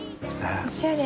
おしゃれ。